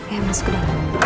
ya masuk dulu